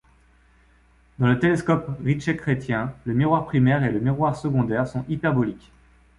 Dans le télescope Ritchey-Chrétien, le miroir primaire et le miroir secondaire sont hyperboliques.